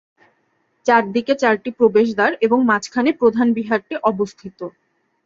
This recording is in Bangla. চারদিকে চারটি প্রবেশদ্বার এবং মাঝখানে প্রধান বিহারটি অবস্থিত।